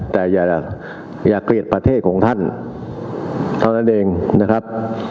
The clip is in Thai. แต่อย่าเกลียดประเทศของท่านเท่านั้นเองนะครับ